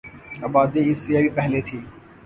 آبادی اس سے بھی پہلے تھی